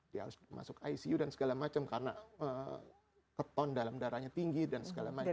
dia harus masuk icu dan segala macam karena keton dalam darahnya tinggi dan segala macam